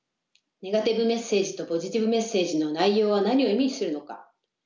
ネガティブメッセージとポジティブメッセージの内容は何を意味するのか？